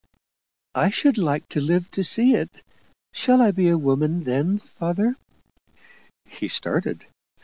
"I should like to live to see it. Shall I be a woman, then, father?" He started.